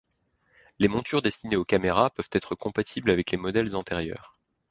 Les montures destinées aux caméras peuvent être compatibles avec les modèles antérieurs.